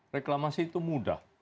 reklamasi itu mudah